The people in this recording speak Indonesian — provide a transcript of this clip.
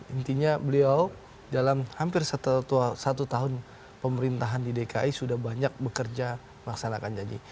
intinya beliau dalam hampir satu tahun pemerintahan di dki sudah banyak bekerja melaksanakan janji